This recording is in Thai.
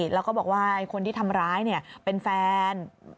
แล้วก็บอกว่าคนที่ทำร้ายเป็นแฟน